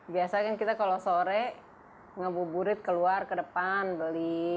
biasa kan kita kalau sore ngebuburit keluar ke depan beli